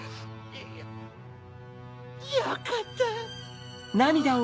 よかった！